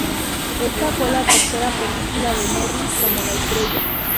Esta fue la tercera película de Norris como la estrella.